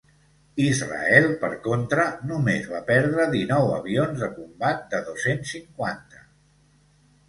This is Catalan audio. Israel, per contra, només va perdre dinou avions de combat de dos-cents cinquanta.